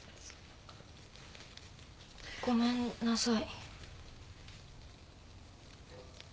ごめんなさい。